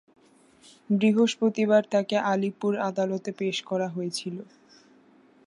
বৃহস্পতিবার তাঁকে আলিপুর আদালতে পেশ করা হয়েছিল।